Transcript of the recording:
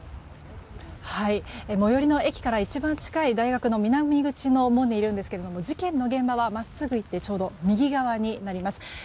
最寄りの駅から一番近い大学の南口の門にいるんですが事件の現場は真っすぐ行ってちょうど右側になります。